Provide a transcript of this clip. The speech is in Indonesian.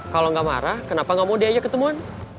kalau gak marah kenapa gak mau diajak ketemuan